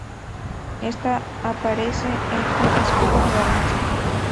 Esta aparece en su escudo de armas.